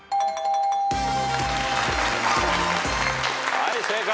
はい正解。